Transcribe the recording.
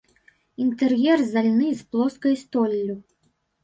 Інтэр'ер зальны з плоскай столлю.